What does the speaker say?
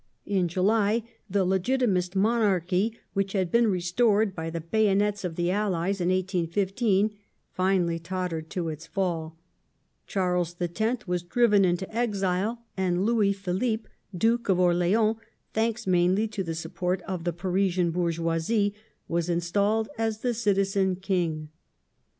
In July «/ the legitimist Monarchy, which had been restored by the bayonets of the allies in 1815, finally tottered to its fall ; Charles X. was driven into exile, and Louis Philippe, Duke of Orleans, thanks mainly to the support of the Parisian bourgeoisie, was installed as *' the Citizen King